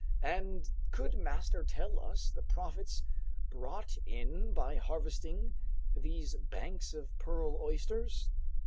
And could master tell us the profits brought in by harvesting these banks of pearl oysters?"